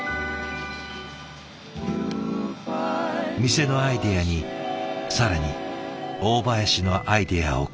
店のアイデアに更に大林のアイデアを加えながら。